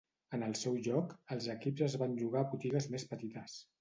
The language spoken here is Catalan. En el seu lloc, els equips es van llogar a botigues més petites.